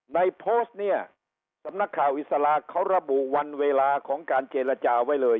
ในโพสต์เนี่ยสำนักข่าวอิสระเขาระบุวันเวลาของการเจรจาไว้เลย